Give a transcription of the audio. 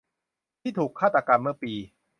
ที่ถูกฆาตกรรมเมื่อปี